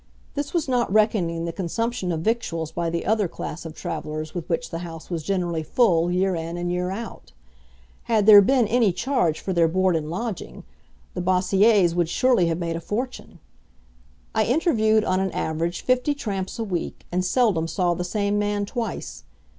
This was not reckoning the consumption of victuals by the other class of travellers with which the house was generally full year in and year out. Had there been any charge for their board and lodging, the Bossiers would surely have made a fortune. I interviewed on an average fifty tramps a week, and seldom saw the same man twice.